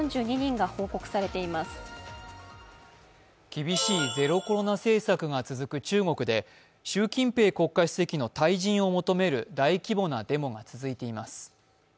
厳しいゼロコロナ政策が続く中国で、習近平国家主席の退陣を求める大規模なデモが続いています。